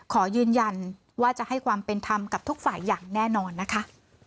ขอยืนยันว่าจะให้ความเป็นธรรมกับทุกฝ่ายอย่างแน่นอนนะคะ